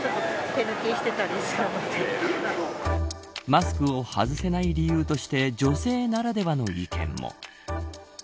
マスクを外せない理由として女性ならではの意見も。